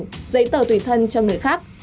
không cung cấp hình ảnh giấy tờ tùy thân cho người khác